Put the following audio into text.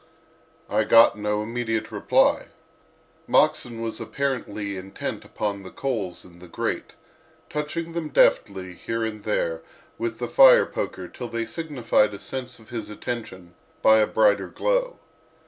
I got no immediate reply; Moxon was apparently intent upon the coals in the grate, touching them deftly here and there with the fire poker till they signified a sense of his attention by a brighter glow.